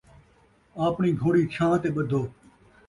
آپݨی گھوڑی چھانہہ تے ٻدھو